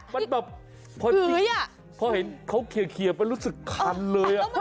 มันแบบเพราะเห็นเค้าเคียวมันรู้สึกคันเลย